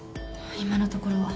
今のところは。